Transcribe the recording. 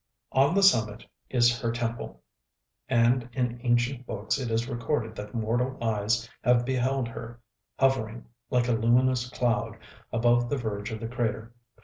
ŌĆØ On the summit is her temple; and in ancient books it is recorded that mortal eyes have beheld her hovering, like a luminous cloud, above the verge of the crater.